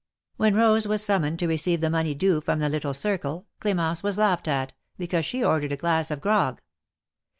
When Rose was summoned to receive the money due from the little circle, Cl4mence was laughed at, because she ordered a glass of ^^grog."